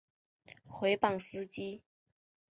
毁谤司机